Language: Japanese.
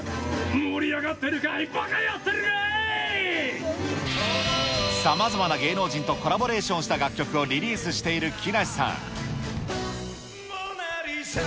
盛り上がってるかい、ばかやさまざまな芸能人とコラボレーションした楽曲をリリースしている木梨さん。